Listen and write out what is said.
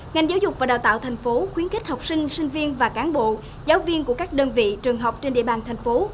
ngành giáo dục và đào tạo thành phố khuyến khích học sinh sinh viên và cán bộ giáo viên của các đơn vị trường học trên địa bàn thành phố